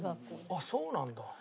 あっそうなんだ。